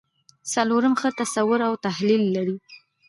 څلورم ښه تصور او تحلیل لري.